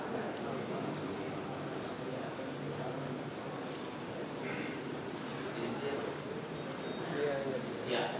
sedikit lebih ngelak